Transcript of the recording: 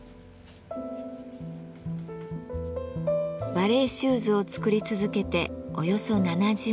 バレエシューズを作り続けておよそ７０年。